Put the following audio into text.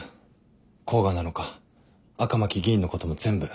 甲賀なのか赤巻議員のことも全部。